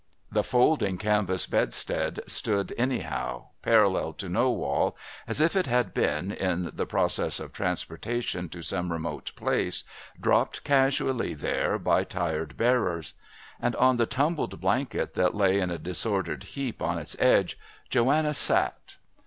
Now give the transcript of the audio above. The folding canvas bedstead stood anyhow, parallel to no wall, as if it had been, in the process of transportation to some remote place, dropped casually there by tired bearers. And on the tumbled blankets that lay in a disordered heap on its edge, Joanna sat....